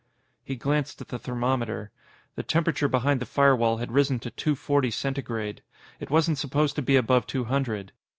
He glanced at the thermometer. The temperature behind the firewall had risen to two forty Centigrade. It wasn't supposed to be above two hundred.